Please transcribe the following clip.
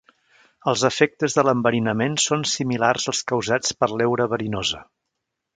Els efectes de l'enverinament són similars als causats per l'heura verinosa.